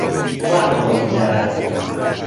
توانەوە وەک جاران